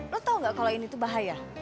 lo tau gak kalau ini tuh bahaya